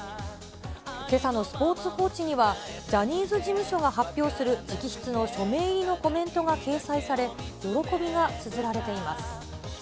けさのスポーツ報知には、ジャニーズ事務所が発表する直筆の署名入りのコメントが掲載され、喜びがつづられています。